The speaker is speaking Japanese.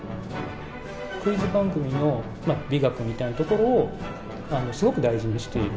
クイズ番組の美学みたいなところをすごく大事にしている。